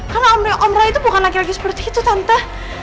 karena om roy itu bukan laki laki seperti itu tante